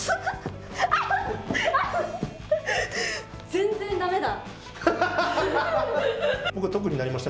全然だめだ。